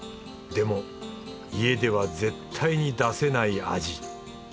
でも家では絶対に出せない味。